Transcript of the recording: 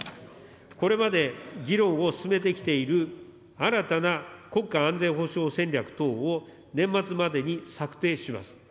これまで議論を進めてきている、新たな国家安全保障戦略等を年末までに策定します。